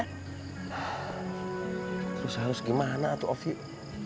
terus harus gimana tuh afril